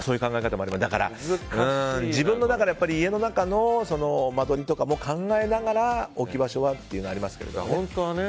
自分の家の中の間取りとかも考えながら置き場所はっていうのはありますけどね。